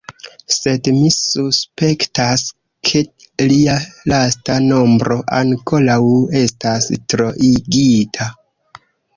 Sed mi suspektas, ke lia lasta nombro ankoraŭ estas troigita.